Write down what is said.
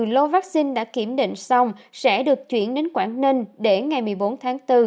lô vaccine đã kiểm định xong sẽ được chuyển đến quảng ninh để ngày một mươi bốn tháng bốn